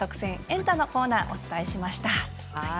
エンタ」のコーナーをお伝えしました。